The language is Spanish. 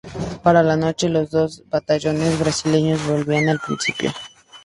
Para la noche, los dos batallones Brasileños volvían al principio.